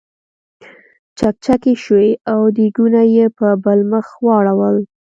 چکچکې شوې او دیګونه یې په بل مخ واړول.